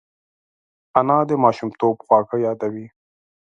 انا د ماشومتوب خواږه یادوي